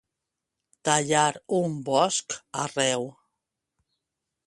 Tallar un bosc arreu.